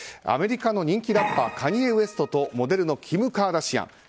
アメリカの人気ラッパーカニエ・ウェストとモデルのキム・カーダシアン。